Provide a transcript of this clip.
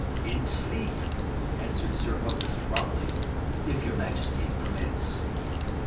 "In sleep," answered Sir Hokus promptly, "if your Majesty permits."